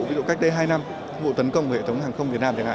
ví dụ cách đây hai năm vụ tấn công hệ thống hàng không việt nam